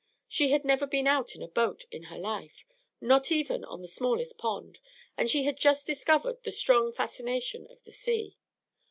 She had never been out in a boat in her life, not even on the smallest pond; and she had just discovered the strong fascination of the sea.